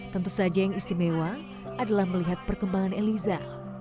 tentu saja yang istimewa adalah melihat perkembangan eliza